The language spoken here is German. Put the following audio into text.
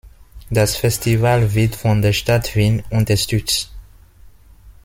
Das Festival wird von der Stadt Wien unterstützt.